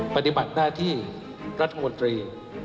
ปฏิบัติหน้าที่รัฐมนตรี